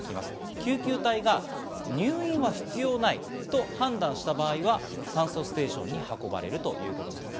救急隊が入院は必要ないと判断した場合は酸素ステーションに運ばれるということなんです。